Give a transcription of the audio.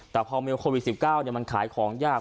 แต่พอมีโควิด๑๙มันขายของยาก